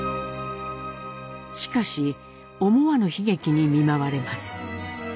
しかし思わぬ悲劇に見舞われます。